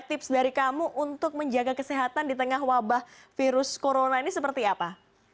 tips dari kamu untuk menjaga kesehatan di tengah wabah virus corona ini seperti apa